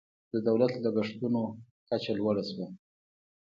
د دولت لګښتونو کچه لوړه شوه.